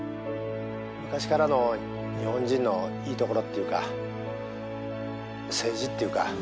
「昔からの日本人のいいところっていうか政治っていうか」